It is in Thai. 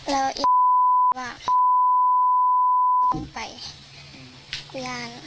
แล้วว่าต้องไปกุญญาณ